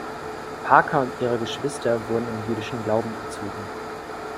Parker und ihre Geschwister wurden im jüdischen Glauben erzogen.